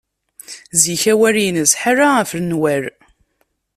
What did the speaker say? Zik awal-ines ḥala ɣef nnwal.